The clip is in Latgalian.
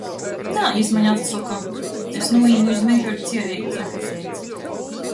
Nā, – jis maņ atsoka. Es nūīmu iz mežu ar cierveiti.